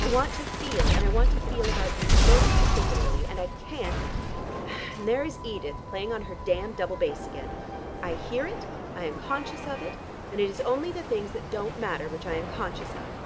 I want to feel, and I want to feel about you most particularly, and I can't, and there is Edith playing on her damned double bass again. I hear it, I am conscious of it, and it is only the things that don't matter which I am conscious of.